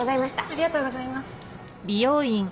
ありがとうございます。